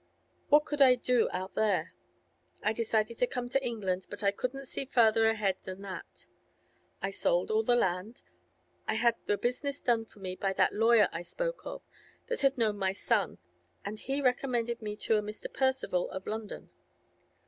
What could I do out there? I decided to come to England, but I couldn't see farther ahead than that. I sold all the land; I had the business done for me by that lawyer I spoke of, that had known my son, and he recommended me to a Mr. Percival in London.